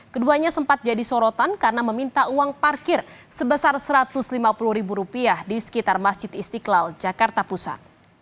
keduanya sempat jadi sorotan karena meminta uang parkir sebesar rp satu ratus lima puluh ribu rupiah di sekitar masjid istiqlal jakarta pusat